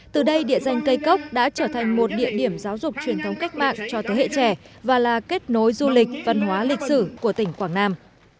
từ đây địa danh cây cốc đã trở thành một địa điểm giáo dục truyền thống cách mạng cho thế hệ trẻ và là kết nối du lịch văn hóa lịch sử của tỉnh quảng nam